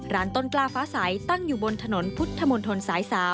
ร้านต้นกล้าฟ้าใสตั้งอยู่บนถนนพุทธมนตรสาย๓